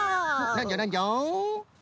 なんじゃなんじゃ！